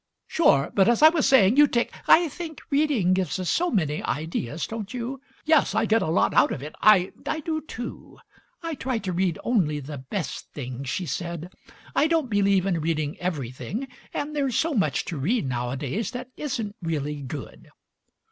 "Sure. But as I was saying, you take " "I think reading gives us so many ideas, don't you?" "Yes. I get a lot out of it. I — " Digitized by Google 144 MAJRY SMITH "I do, too. I try to read only the best things," she said. "I don't believe in reading everything, and there's so much to read nowadays that isn't really good."